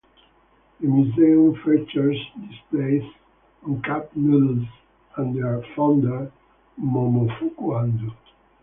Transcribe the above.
The museum features displays on cup noodles and their founder, Momofuku Ando.